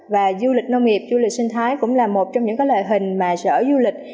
và du lịch nông nghiệp du lịch sinh thái cũng là một trong những lợi hình mà sở du lịch